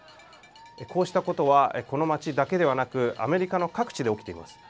こうしたことはこの町だけではなくアメリカの各地で起きています。